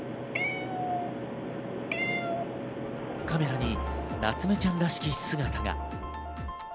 カメラになつめちゃんらしき姿が。